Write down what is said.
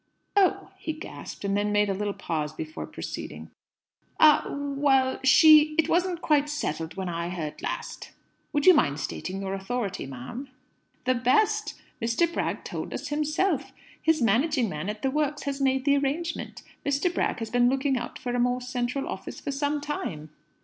"Oh!" he gasped, and then made a little pause before proceeding. "Ah, well she it wasn't quite settled when I heard last. Would you mind stating your authority, ma'am?" "The best Mr. Bragg told us himself. His managing man at the works has made the arrangement. Mr. Bragg has been looking out for a more central office for some time."